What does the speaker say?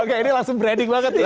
oke ini langsung branding banget ya